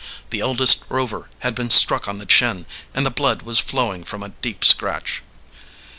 The eldest Rover had been struck on the chin, and the blood was flowing from a deep scratch.